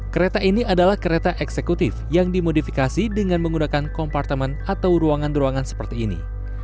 kereta ini adalah kereta eksekutif yang dimodifikasi dengan menggunakan kompartemen atau ruangan ruangan seperti ini